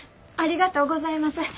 ありがとうございます。